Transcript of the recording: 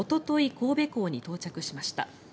神戸港に到着しました。